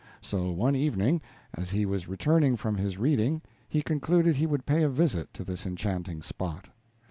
So one evening, as he was returning from his reading, he concluded he would pay a visit to this enchanting spot.